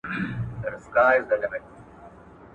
پدي خاطر په خلافت كې هغه ټولي خبري نه كيدونكې دې